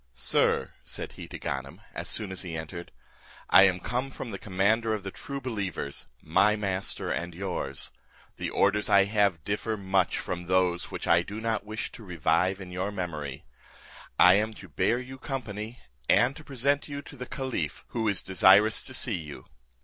"Sir," said he to Ganem, as soon as he entered, "I am come from the commander of the true believers, my master and yours; the orders I have differ much from those which I do not wish to revive in your memory; I am to bear you company, and to present you to the caliph, who is desirous to see you."